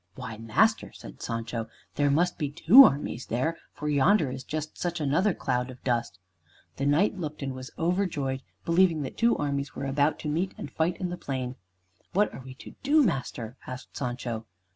"Why, master," said Sancho, "there must be two armies there, for yonder is just such another cloud of dust." The knight looked, and was overjoyed, believing that two armies were about to meet and fight in the plain. "What are we to do, master?" asked Sancho.